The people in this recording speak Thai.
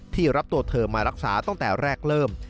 รับตัวเธอมารักษาตั้งแต่แรกเริ่ม